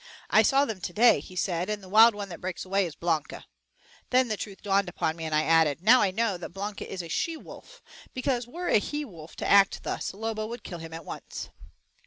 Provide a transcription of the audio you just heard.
"I saw them to day," he said, "and the wild one that breaks away is Blanca." Then the truth dawned upon me, and I added, "Now, I know that Blanca is a she wolf, because were a he wolf to act thus, Lobo would kill him at once."